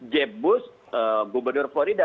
jeb bush gubernur florida